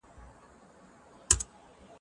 د مڼې ونې خپلې پاتې پاڼې د باد په وړاندې وسپارلې.